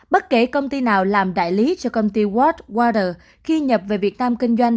bất kể công ty nào làm đại lý cho công ty watt wader khi nhập về việt nam kinh doanh